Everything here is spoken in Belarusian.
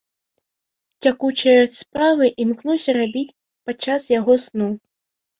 Цякучыя справы імкнуся рабіць падчас яго сну.